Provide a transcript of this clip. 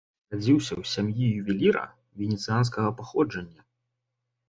Нарадзіўся ў сям'і ювеліра венецыянскага паходжання.